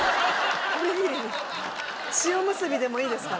塩むすびでもいいですから。